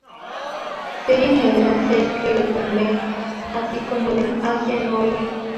Serie negra se escribe con B" así como de "Asia Noir.